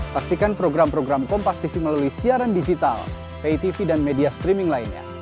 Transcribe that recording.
saksikan program program kompastv melalui siaran digital pitv dan media streaming lainnya